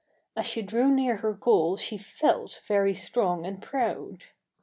As she drew near her goal she felt very strong and proud!